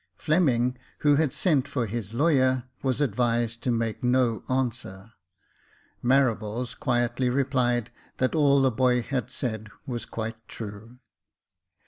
Fleming, who had sent for his lawyer, was advised to make no answer. Marables quietly replied, that all the boy had said was quite true.